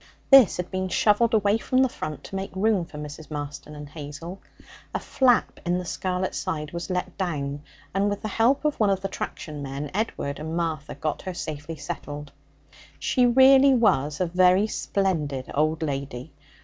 This had been shovelled away from the front to make room for Mrs. Marston and Hazel. A flap in the scarlet side was let down, and with the help of one of the traction men Edward and Martha got her safely settled. She really was a very splendid old lady.